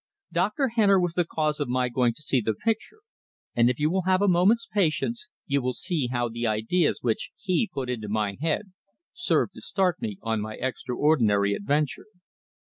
Dr. Henner was the cause of my going to see the picture, and if you will have a moment's patience, you will see how the ideas which he put into my head served to start me on my extraordinary adventure.